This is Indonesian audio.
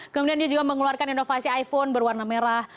kemudian dia juga mengeluarkan inovasi iphone berwarna merah